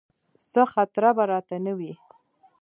څه خطره به راته نه وي.